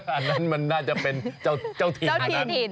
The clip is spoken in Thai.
อันนั้นมันน่าจะเป็นเจ้าถิ่น